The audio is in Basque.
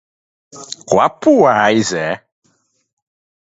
Biak base militarrak dira, nahiz eta biztanleria zibila ere bizi.